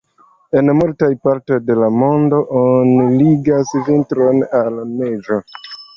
En multaj partoj de la mondo, oni ligas vintron al neĝo.